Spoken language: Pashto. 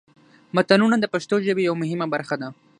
متلونه د پښتو ژبې یوه مهمه برخه ده